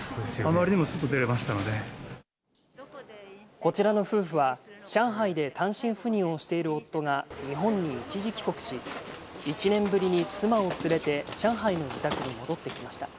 こちらの夫婦は上海で単身赴任をしている夫が日本に一時帰国し、１年ぶりに妻を連れて上海の自宅に戻ってきました。